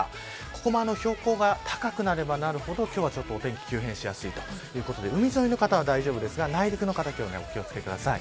ここも標高が高くなればなるほど今日はちょっとお天気急変しやすいということで海沿いの方は大丈夫ですが内陸の方はお気を付けください。